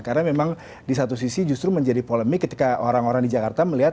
karena memang di satu sisi justru menjadi polemik ketika orang orang di jakarta melihat